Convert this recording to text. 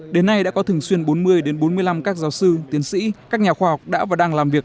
đến nay đã có thường xuyên bốn mươi bốn mươi năm các giáo sư tiến sĩ các nhà khoa học đã và đang làm việc